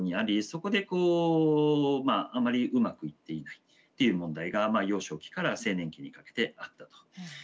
そこでこうあまりうまくいっていないっていう問題が幼少期から青年期にかけてあったと。